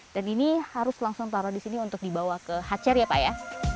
dan ini harus langsung taruh di sini untuk dibawa ke hacher ya pak ya